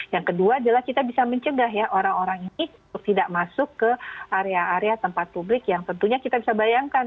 yang kedua adalah kita bisa mencegah ya orang orang ini untuk tidak masuk ke area area tempat publik yang tentunya kita bisa bayangkan